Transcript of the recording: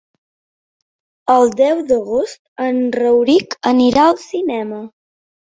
El deu d'agost en Rauric anirà al cinema.